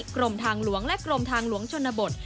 กรมทางหลวงและกรมทางหลวงชนบท